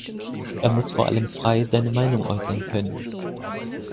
Er muss vor allem frei seine Meinung äußern können.